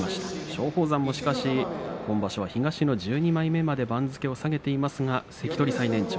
松鳳山も、しかし今場所は東の１２枚目まで番付を下げていますが関取最年長。